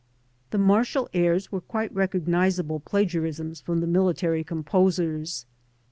The martial airs were quite recognizable plagiarisms from the miUta ry composers.